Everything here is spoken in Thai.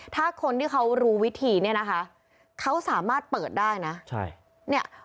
ถ้าคนที่เขารู้วิธีเนี่ยนะคะเขาสามารถเปิดได้นะใช่เนี่ย